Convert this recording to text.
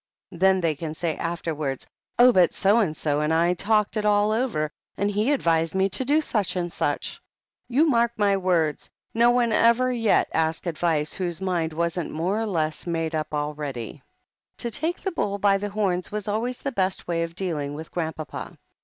Then they can say afterwards 'Oh, but so and so and I talked it all over and he advised me to do such and such.' You mark my word, no one ever yet asked advice whose mind wasn't more or less made up already." To take the bull by the horns was always the best way of dealing with Grandpapa.